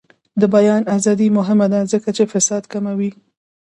د بیان ازادي مهمه ده ځکه چې فساد کموي.